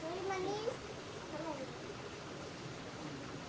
พวกเขาถ่ายมันตรงกลาง